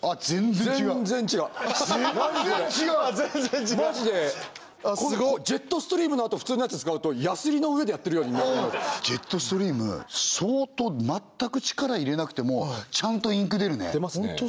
全然違うマジでジェットストリームのあと普通のやつ使うとやすりの上でやってるようにジェットストリーム相当全く力入れなくてもちゃんとインク出るね出ますね